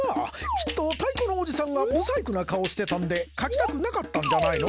きっと太鼓のおじさんが不細工な顔してたんで描きたくなかったんじゃないの？